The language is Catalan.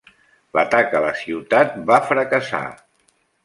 L'atac a la ciutat va fracassar.